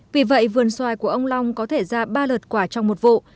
vì vậy vườn xoài của ông long có thể ra ba lợt quả trong một vụ